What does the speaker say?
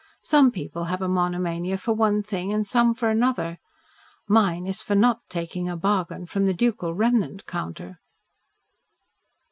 Some people have a monomania for one thing and some for another. Mine is for NOT taking a bargain from the ducal remnant counter."